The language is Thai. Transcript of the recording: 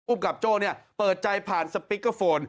กลุ่มกับโจ้เนี่ยเปิดใจผ่านสปิกเกอร์โฟน